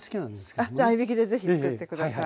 あっじゃあ合いびきでぜひつくって下さい。